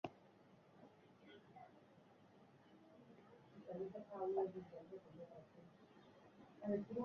এ ধরনের হ্রদগুলি সাধারণত বর্ষা মৌসুমে বন্যা কবলিত হয়।